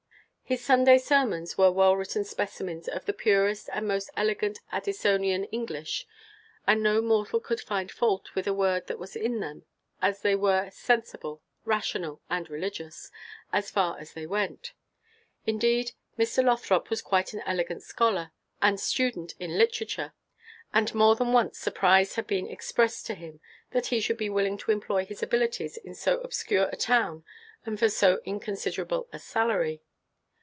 His Sunday sermons were well written specimens of the purest and most elegant Addisonian English, and no mortal could find fault with a word that was in them, as they were sensible, rational, and religious, as far as they went. Indeed, Mr. Lothrop was quite an elegant scholar and student in literature, and more than once surprise had been expressed to him that he should be willing to employ his abilities in so obscure a town and for so inconsiderable a salary.